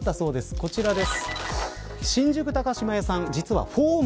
こちらです。